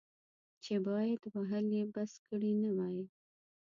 چې پایدل وهل یې بس کړي نه وي.